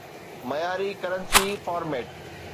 معياري currency format